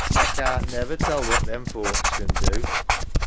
Tha can't never tell what them folks can do.